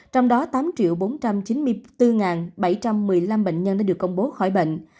trong đó tám bốn trăm chín mươi bốn bảy trăm một mươi năm bệnh nhân đã được công bố khỏi bệnh